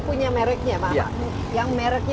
punya mereknya pak yang mereknya